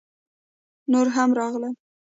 _نور هم راغلل!